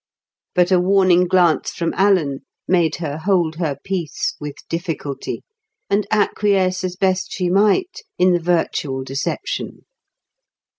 But a warning glance from Alan made her hold her peace with difficulty and acquiesce as best she might in the virtual deception.